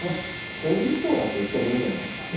政治思想だと言ってもいいと思います。